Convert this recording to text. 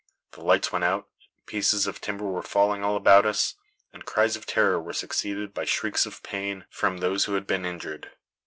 The lights went out, pieces of timber were falling all about us, and cries of terror were succeeded by shrieks of pain from those who had been injured.